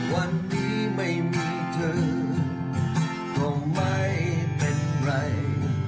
วันนี้ไม่มีเธอก็ไม่เป็นไร